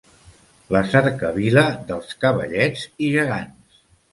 La cercavila dels Cavallets i Gegants.